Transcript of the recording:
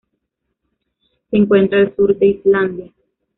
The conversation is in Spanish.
Se encuentra al sur de Islandia.